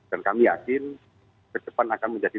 dan kami yakin ke depan akan menjadi